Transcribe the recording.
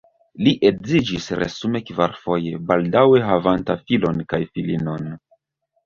Li edziĝis resume kvarfoje, baldaŭe havanta filon kaj filinon.